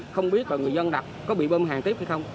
không biết là người dân đặt có bị bơm hàng tiếp hay không